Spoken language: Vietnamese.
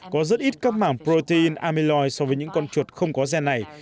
có rất ít các mảm protein amyloid so với những con chuột không có gen này